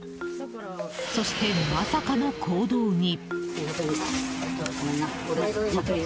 そして、まさかの行動に。